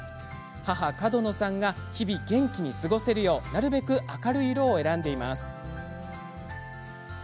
母・角野さんが日々、元気に過ごせるようなるべく明るい色を選んでいます。